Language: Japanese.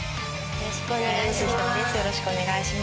よろしくお願いします。